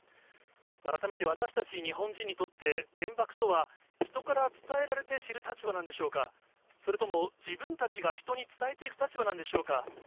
改めて私たち日本人にとって、原爆とは人から伝えられて知る立場なんでしょうか、それとも、自分たちが人に伝えていく立場なんでしょうか。